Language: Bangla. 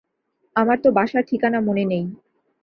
আমার তো বাসার ঠিকানা মনে নেই।